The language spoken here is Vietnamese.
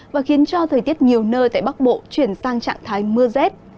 và khiến cho thời tiết nhiều nơi tại bắc bộ chuyển sang trạng thái mưa rét